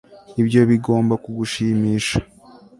ibyo bigomba kugushimisha